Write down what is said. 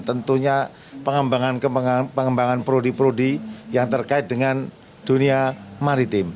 tentunya pengembangan pengembangan prodi prodi yang terkait dengan dunia maritim